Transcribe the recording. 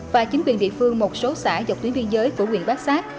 và chính quyền địa phương một số xã dọc tuyến biên giới của quyền bác sát